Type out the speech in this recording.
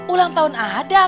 ulang tahun adam